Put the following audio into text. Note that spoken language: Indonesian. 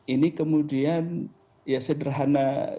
ini kemudian ya sederhana